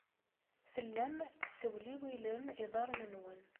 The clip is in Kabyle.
Tellam tessewliwilem iḍarren-nwen.